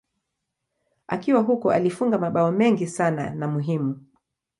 Akiwa huko alifunga mabao mengi sana na muhimu.